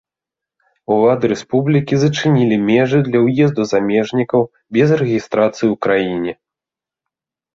Улады рэспублікі зачынілі межы для ўезду замежнікаў, без рэгістрацыі ў краіне.